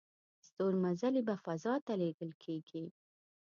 ستورمزلي په فضا ته لیږل کیږي